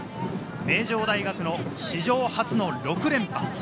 名城大学の史上初の６連覇。